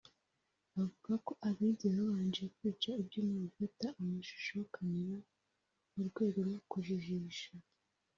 Bavuga ko abibye babanje kwica ibyuma bifata amashusho (Cameras) mu rwego rwo kujijisha